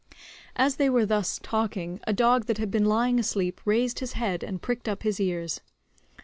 As they were thus talking, a dog that had been lying asleep raised his head and pricked up his ears.